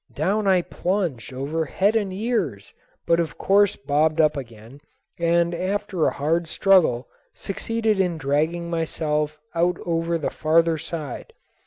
Down I plunged over head and ears, but of course bobbed up again, and after a hard struggle succeeded in dragging myself out over the farther side.